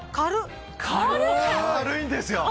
軽いんですよ。